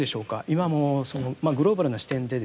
今もそのグローバルな視点でですね